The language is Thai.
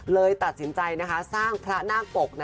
เลยตัดสินใจสร้างพระนาคปก